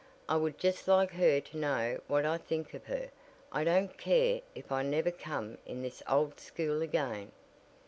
"I would just like her to know what I think of her. I don't care if I never come in this old school again."